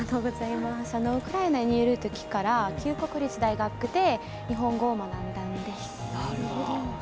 ウクライナにいるときから、キーウ国立大学で日本語を学んだんです。